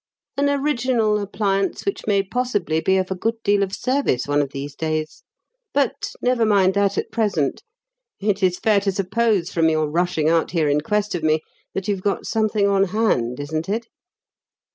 "An original appliance which may possibly be of a good deal of service one of these days. But, never mind that at present. It is fair to suppose, from your rushing out here in quest of me, that you've got something on hand, isn't it?"